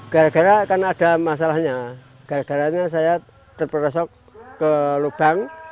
gara gara kan ada masalahnya gara garanya saya terperosok ke lubang